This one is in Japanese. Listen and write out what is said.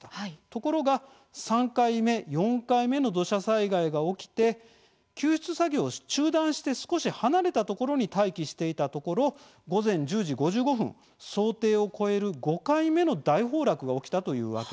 ところが３回目、４回目の土砂災害が起きて救出作業を中断して少し離れたところに待機していたところ午前１０時５５分、想定を超える５回目の大崩落が起きたというわけなんですね。